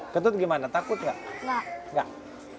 ketut gimana takut gak